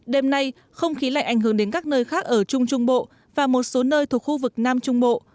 đêm nay không khí lạnh ảnh hưởng đến các nơi khác ở trung trung bộ và một số nơi thuộc khu vực nam trung bộ